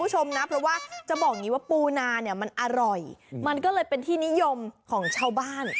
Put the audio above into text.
จะบอกว่าปูนาเนี่ยมันอร่อยมันก็เลยเป็นที่นิยมของเช่าบ้าน